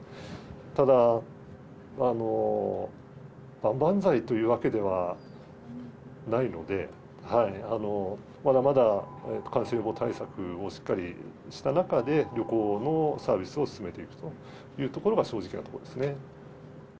ただ、万々歳というわけではないので、まだまだ感染予防対策をしっかりした中で、旅行のサービスを進めていくというところが正直なところですね。